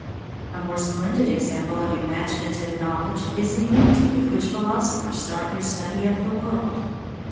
A more splendid example of imaginative knowledge is the unity with which philosophers start their study of the world.